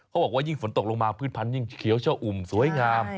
บอกว่ายิ่งฝนตกลงมาพืชพันธยิ่งเขียวชะอุ่มสวยงาม